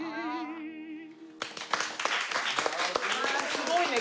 すごいね。